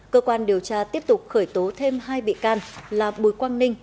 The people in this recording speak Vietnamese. cơ quan điều tra tiếp tục khởi tố thêm hai bị can là bùi quang ninh